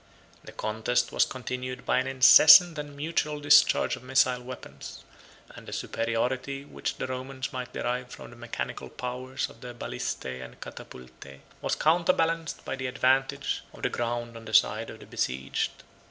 The contest was continued by an incessant and mutual discharge of missile weapons; and the superiority which the Romans might derive from the mechanical powers of their balistæ and catapultæ was counterbalanced by the advantage of the ground on the side of the besieged.